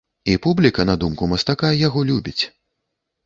І публіка, на думку мастака, яго любіць.